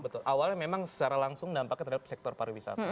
betul awalnya memang secara langsung dampaknya terhadap sektor pariwisata